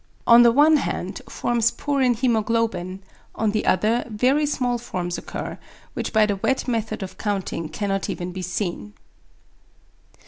On the one hand forms poor in hæmoglobin, on the other very small forms occur, which by the wet method of counting cannot even be seen.